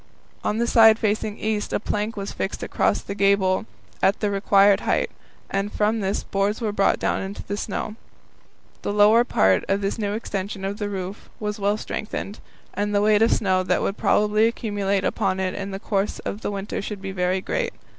On the side facing east a plank was fixed across the gable at the required height, and from this boards were brought down to the snow. The lower part of this new extension of the roof was well strengthened, as the weight of snow that would probably accumulate upon it in the course of the winter would be very great.